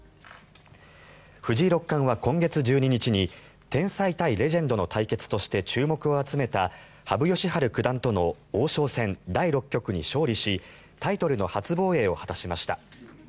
藤井六冠は今月１２日に天才対レジェンドの対決として注目を集めた羽生善治九段との王将戦第６局に勝利しタイトルの初防衛を果たしました。